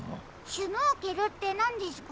シュノーケルってなんですか？